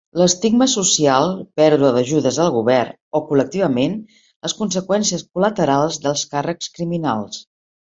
estigma social, pèrdua d'ajudes del govern, o, col·lectivament, les conseqüències col·laterals dels càrrecs criminals.